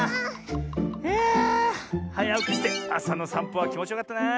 いやはやおきしてあさのさんぽはきもちよかったな。